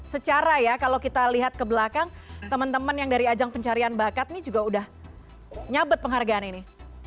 secara ya kalau kita lihat ke belakang teman teman yang dari ajang pencarian bakat nih juga udah nyabet penghargaan ini